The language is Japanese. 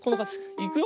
いくよ。